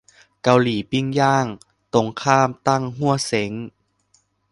เกาหลีปิ้งย่าง ตรงข้ามตั้งฮั่วเส็ง